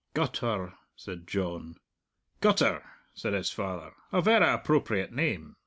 "Guttur," said John. "Gutter," said his father. "A verra appropriate name!